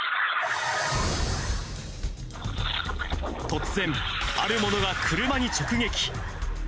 突然、あるものが車に直撃。